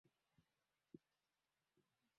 kugombania fito wakati tunajenga nyumba moja Nimepata